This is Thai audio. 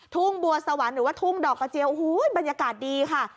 ทุ่งบัวสวรรค์หรือว่าทุ่งดอกกระเจียวโอ้โหบรรยากาศดีค่ะ